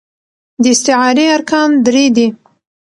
د استعارې ارکان درې دي.